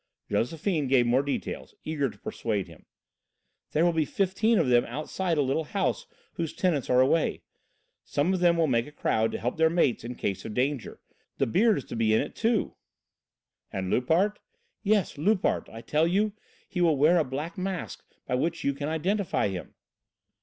Josephine gave more details, eager to persuade him. "There will be fifteen of them outside a little house whose tenants are away. Some of them will make a crowd to help their mates in case of danger. The Beard is to be in it, too." "And Loupart?" "Yes, Loupart, I tell you. He will wear a black mask by which you can identify him."